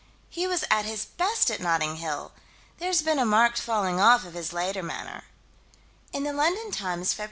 He was at his best at Notting Hill: there's been a marked falling off in his later manner: In the London Times, Feb.